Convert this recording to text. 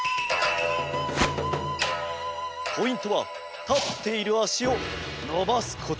ポイントはたっているあしをのばすこと。